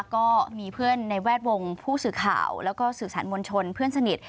ก็มีเพื่อนในแวดวงผู้สื่อข่าวแล้วก็สื่อสารมวลชนเพื่อนสนิท